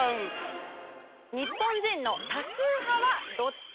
「日本人の多数派はどっち！？